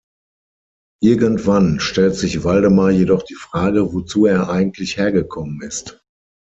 Irgendwann stellt sich Waldemar jedoch die Frage, wozu er eigentlich hergekommen ist.